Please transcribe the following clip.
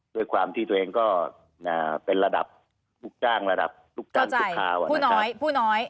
ด้วยความที่ตัวเองก็เป็นระดับลูกจ้างระดับลูกจ้างชั่วคราวนะครับ